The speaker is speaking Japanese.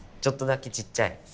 ちょっとだけちっちゃい？